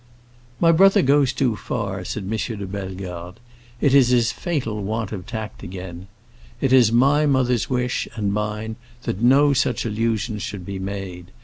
"My brother goes too far," said M. de Bellegarde. "It is his fatal want of tact again. It is my mother's wish, and mine, that no such allusions should be made.